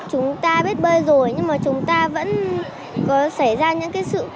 chúng ta biết bơi rồi nhưng mà chúng ta vẫn có xảy ra những sự cố kiểu đuối nước